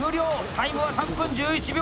タイムは３分１１秒。